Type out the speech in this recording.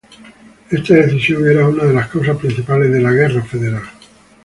Esta decisión era una de las causas principales de la Guerra Federal.